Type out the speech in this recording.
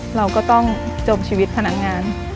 เราก็ต้องจบชีวิตพนักงาน